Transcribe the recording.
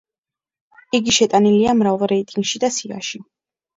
იგი შეტანილია მრავალ რეიტინგში და სიაში.